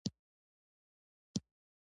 چينې څنګه وچیږي؟